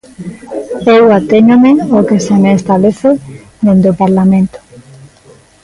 Eu atéñome ao que se me establece dende o Parlamento.